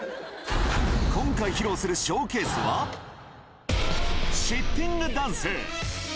今回披露するショーケースは、シッティングダンス。